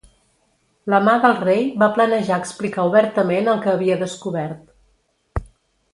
La Mà del Rei va planejar explicar obertament el que havia descobert.